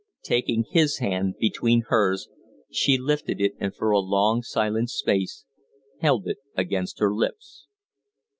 Taking his hand between hers, she lifted it and for a long, silent space held it against her lips.